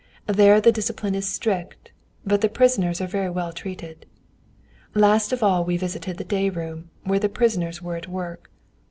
There the discipline is strict, but the prisoners are very well treated. Last of all we visited the day room, where the prisoners were at work.